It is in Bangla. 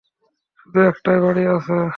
শুধু একটাই বাড়ি আছে।